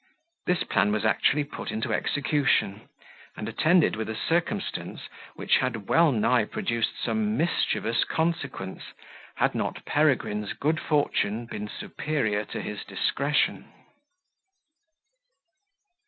This plan was actually put in execution, and attended with a circumstance which had well nigh produced some mischievous consequence, had not Peregrine's good fortune been superior to his discretion.